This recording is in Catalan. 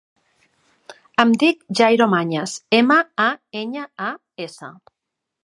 Em dic Jairo Mañas: ema, a, enya, a, essa.